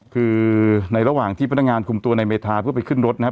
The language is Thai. คือในระหว่างที่พนักงานคุมตัวในเมธาเพื่อไปขึ้นรถนะฮะ